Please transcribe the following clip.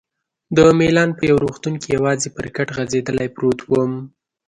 د میلان په یو روغتون کې یوازې پر کټ غځېدلی پروت وم.